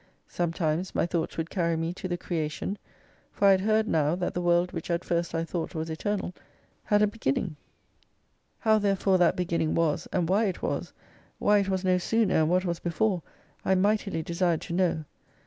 Sometimes my thoughts would carry me to the Creation, for I had heard now, that the World which at first I thought was eternal, had a beginning : 1 70 how therefore that beginning was, and why it was, why it was no sooner, and what was before, I mightily desired to know.